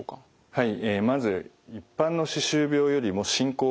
はい。